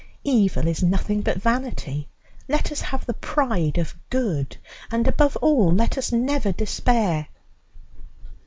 Evil is nothing but vanity, let us have the pride of good, and above all let us never despair.